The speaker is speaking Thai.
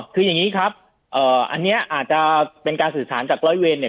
คืออย่างนี้ครับอันนี้อาจจะเป็นการสื่อสารจากร้อยเวรเนี่ย